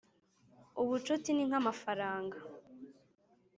ubucuti ni nkamafaranga,